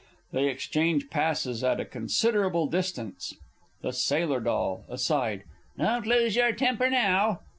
[They exchange passes at a considerable distance. The Sailor D. (aside). Don't lose your temper now!